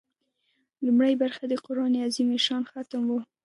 لومړۍ برخه د قران عظیم الشان ختم و.